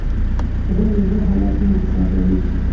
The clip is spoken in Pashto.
غول د زړه حالت هم افشا کوي.